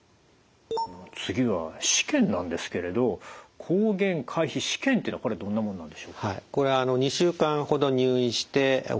次は試験なんですけれど抗原回避試験っていうのはこれどんなものなんでしょう？